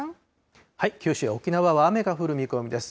九州や沖縄は雨が降る見込みです。